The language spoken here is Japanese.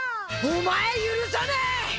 「お前許さねえ！